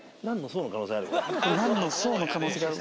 難の遭の可能性がある。